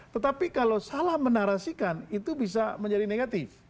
tetapi kalau salah menarasikan itu bisa menjadi negatif